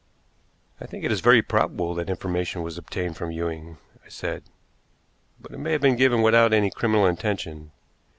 "I think it very probable that information was obtained from Ewing," I said. "But it may have been given without any criminal intention.